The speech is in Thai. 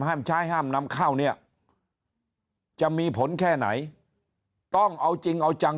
ห้ามใช้ห้ามนำเข้าเนี่ยจะมีผลแค่ไหนต้องเอาจริงเอาจัง